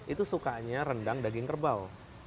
itu sukanya rendang daging kerbau